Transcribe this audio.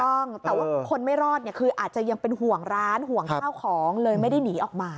ต้องแต่ว่าคนไม่รอดเนี่ยคืออาจจะยังเป็นห่วงร้านห่วงข้าวของเลยไม่ได้หนีออกมา